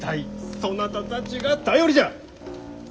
そなたたちが頼りじゃ！